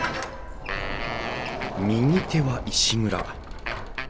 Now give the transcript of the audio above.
右手は石蔵。